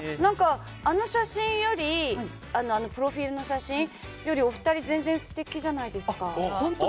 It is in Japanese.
あの写真よりプロフィールの写真よりお二人全然、素敵じゃないですか。